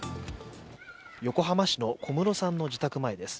横浜市の小室さんの自宅前です。